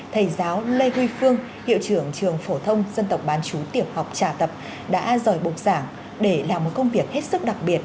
thầy giáo lê huy phương hiệu trưởng trường phổ thông dân tộc bán chú tiểu học trà tập đã rời bục giảng để làm một công việc hết sức đặc biệt